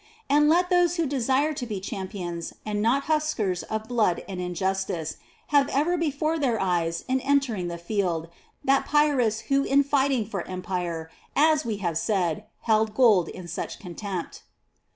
And let those who desire to be champions, and not hucksters of blood and injustice, have ever before their eyes in entering the field that Pyr rhus who in fighting for Empire, as we have said, held gold in such contempt.